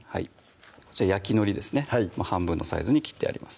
こちら焼きのりですね半分のサイズに切ってあります